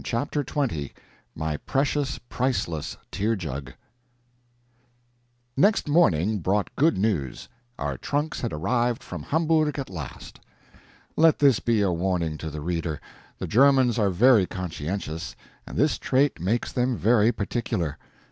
CHAPTER XX [My Precious, Priceless Tear Jug] Next morning brought good news our trunks had arrived from Hamburg at last. Let this be a warning to the reader. The Germans are very conscientious, and this trait makes them very particular.